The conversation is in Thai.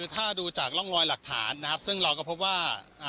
ถ้าดูจากร่องรอยหลักฐานนะครับซึ่งเราก็พบว่า